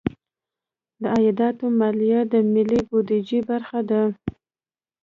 د عایداتو مالیه د ملي بودیجې برخه ده.